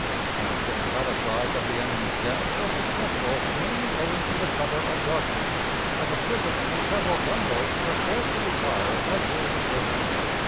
I am fully satisfied that the enemy's dash was successful mainly owing to the cover of darkness, as a frigate and several gunboats were forced to retire as day was breaking.